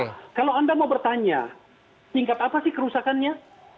nah kalau anda mau bertanya tingkat apa sih kerusakannya